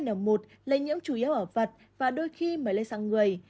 h bảy n chín h năm n một lây nhiễm chủ yếu ở vật và đôi khi mới lây sang người